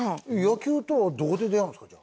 野球とはどこで出会うんですか？